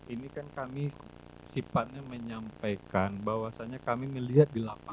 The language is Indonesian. ini kan kami sifatnya menyampaikan bahwasannya kami melihat di lapangan